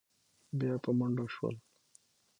بيا په منډو شول.